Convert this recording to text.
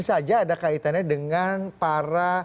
saja ada kaitannya dengan para